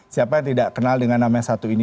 siapa yang tidak kenal dengan namanya satu ini